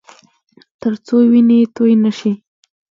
ترڅو وینې تویې نه شي